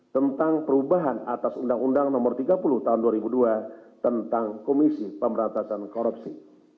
tentang perubahan atas undang undang no tiga puluh tahun dua ribu dua tentang komisi pemberantasan korupsi